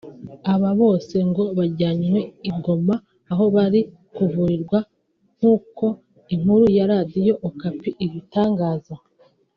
Aba bose ngo bajyanywe i Goma aho bari kuvurirwa nk’uko inkuru ya Radio Okapi ibitangaza